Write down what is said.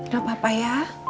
gak apa apa ya